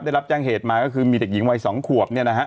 ได้รับแจ้งเหตุมาก็คือมีเด็กหญิงวัย๒ขวบเนี่ยนะฮะ